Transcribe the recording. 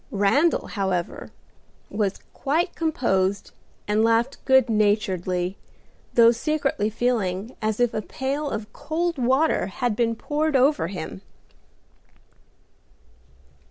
Randal, however, was quite composed and laughed good naturedly, though secretly feeling as if a pail of cold water had been poured over him.